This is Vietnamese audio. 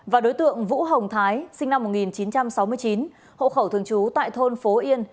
và đối tượng vũ hồng thái sinh năm một nghìn chín trăm sáu mươi chín hộ khẩu thường trú tại thôn phố yên